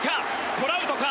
トラウトか？